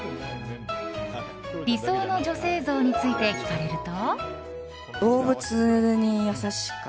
理想の女性像について聞かれると。